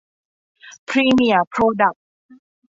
พรีเมียร์ โพรดักส์